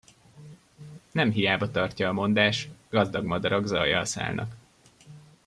Nemhiába tartja a mondás: Gazdag madarak zajjal szállnak.